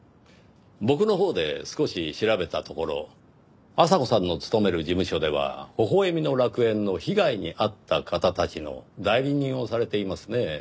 僕のほうで少し調べたところ阿佐子さんの勤める事務所では微笑みの楽園の被害に遭った方たちの代理人をされていますねぇ。